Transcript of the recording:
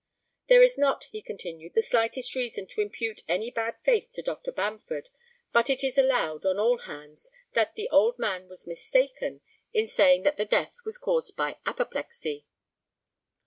] There is not, he continued, the slightest reason to impute any bad faith to Dr. Bamford, but it is allowed, on all hands, that the old man was mistaken in saying that the death was caused by apoplexy.